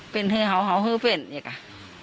เป็นฮือเฮาฮาฮือเป็นเนี่ยก่ะอืม